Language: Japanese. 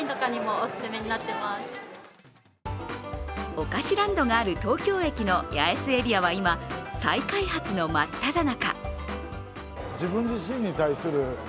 おかしランドがある東京駅の八重洲エリアは再開発の真っただ中。